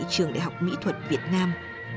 tại trường đại học mỹ thuật việt nam